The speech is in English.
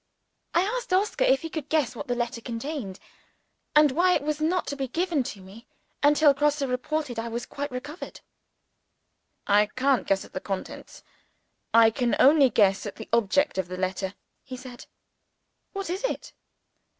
I asked Oscar if he could guess what the letter contained, and why it was not to be given to me until Grosse reported that I was quite cured. "I can't guess at the contents I can only guess at the object of the letter," he said. "What is it?"